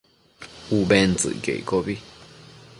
Ubentsëcquio iccobi